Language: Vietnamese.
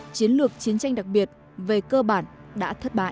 chiến lược chiến tranh đặc biệt về cơ bản đã thất bại